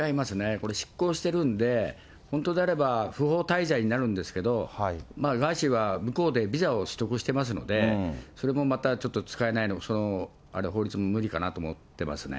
これ失効してるんで、本当であれば不法滞在になるんですけど、ガーシーは向こうでビザを取得してますので、それもまたちょっと使えない、その法律も無理かなと思ってますね。